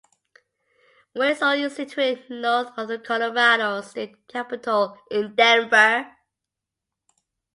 Windsor is situated north of the Colorado State Capitol in Denver.